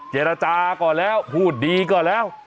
เกรนจาก็แล้วพูดดีก็แล้ว